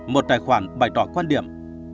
một tài khoản bày tỏ quan điểm